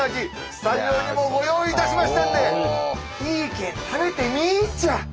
スタジオにもご用意いたしましたんでいいけん食べてみいちゃ。